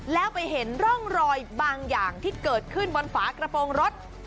แล้วไปเห็นร่องรอยบางอย่างที่เกิดขึ้นบนฝากระโปรงรถ